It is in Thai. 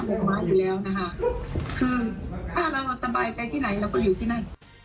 คือถ้าเราสบายใจที่ไหนเราก็อยู่ที่นั่น